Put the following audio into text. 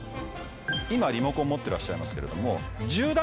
今リモコン持ってらっしゃいますけれども。